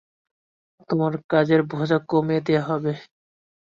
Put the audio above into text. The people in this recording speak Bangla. তোমার কাজের বোঝা কমিয়ে দেয়া হবে।